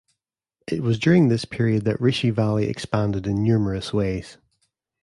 It was during this period that Rishi Valley expanded in numerous ways.